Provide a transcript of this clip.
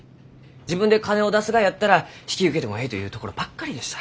自分で金を出すがやったら引き受けてもえいと言うところばっかりでした。